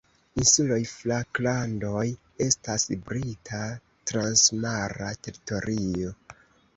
Insuloj Falklandoj estas Brita transmara teritorio.